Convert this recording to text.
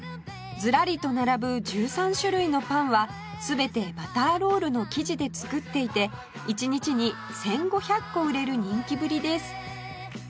ずらりと並ぶ１３種類のパンは全てバターロールの生地で作っていて一日に１５００個売れる人気ぶりです